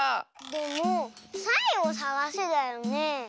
でも「サイをさがせ」だよね？